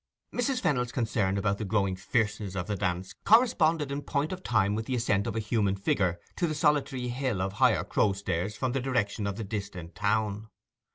Mrs. Fennel's concern about the growing fierceness of the dance corresponded in point of time with the ascent of a human figure to the solitary hill of Higher Crowstairs from the direction of the distant town.